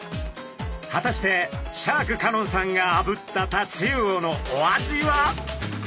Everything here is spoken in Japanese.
果たしてシャーク香音さんがあぶったタチウオのお味は？